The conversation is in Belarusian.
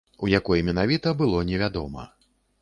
У якой менавіта, было невядома.